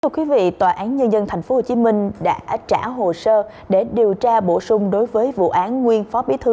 thưa quý vị tòa án nhân dân tp hcm đã trả hồ sơ để điều tra bổ sung đối với vụ án nguyên phó bí thư